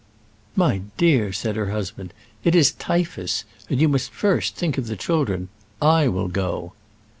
"My dear!" said her husband, "it is typhus, and you must first think of the children. I will go."